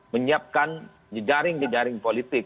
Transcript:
menyiapkan jejaring jejaring politik